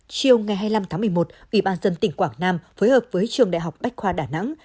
chiều ngày hai mươi năm tháng một mươi một ủy ban dân tỉnh quảng nam phối hợp với trường đại học bách khoa đà nẵng